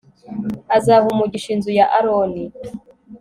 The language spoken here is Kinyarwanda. azaha umugisha inzu ya aroni